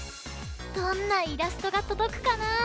どんなイラストがとどくかな？